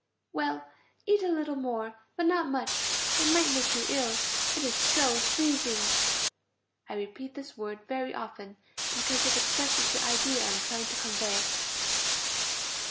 Well, eat a little more, but not much, it might make you ill. It is so freezing (I repeat this word very often, because it expresses the idea I am trying to convey).